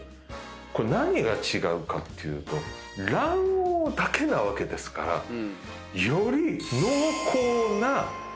これ何が違うかっていうと卵黄だけなわけですからより濃厚なたまごかけごはんが楽しめる。